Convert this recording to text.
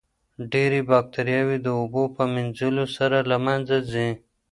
ډېرې باکتریاوې د اوبو په مینځلو سره له منځه ځي.